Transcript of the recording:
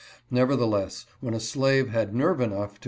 Nevertheless, when a slave had nerve enough tt?